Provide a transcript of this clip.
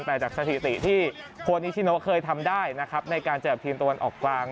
แต่จากสถิติที่โคนิชิโนเคยทำได้นะครับในการเจอกับทีมตะวันออกกลาง